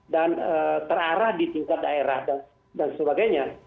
terarah di tingkat daerah dan sebagainya